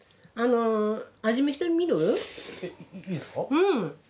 うん。